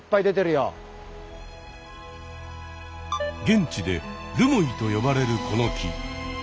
現地でルモイと呼ばれるこの木。